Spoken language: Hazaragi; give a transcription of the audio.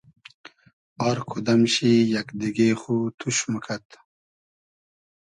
آر کودئم شی یئگ دیگې خو توش موکئد